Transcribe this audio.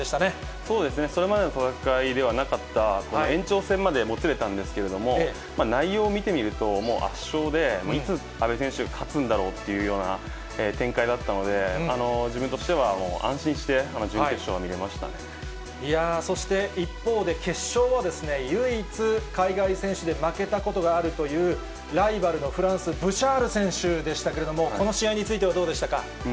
そうですね、それまでの戦いではなかった延長戦までもつれたんですけれども、内容を見てみると、もう圧勝で、いつ、阿部選手、勝つんだろうっていうような、展開だったので、自分としては、安心して、そして、一方で決勝は唯一、海外選手で負けたことがあるというライバルのフランス、ブシャール選手でしたけれども、この試合については、どうでしたか？